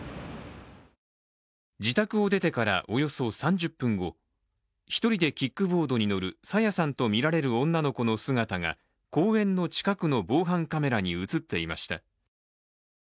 自宅を出てからおよそ３０分後一人でキックボードに乗る朝芽さんとみられる女の子の姿が公園の近くの防犯カメラに映っていました。